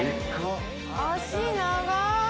足長い。